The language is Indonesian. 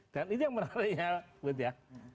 dan itu yang menariknya buet ya